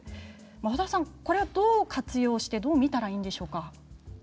和田さん、これはどう活用してどう見たらいいんでしょうか。